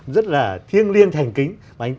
rất là thiêng liêng thành kính